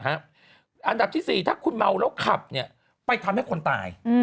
อันดับที่๔ถ้าคุณเมาแล้วขับ